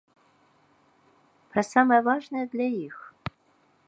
Пра самае важнае для іх.